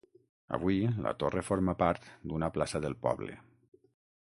Avui, la torre forma part d'una plaça del poble.